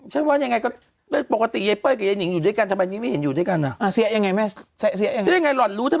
ใช่ว่าไงก็ปกติเลี้ยงอยู่ไห้ไกลมานี้ไม่ได้อยู่ด้วยกันอ่ะเห็นยังไงไหม